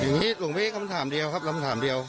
หลวงพี่คำถามเดียวครับคำถามเดียว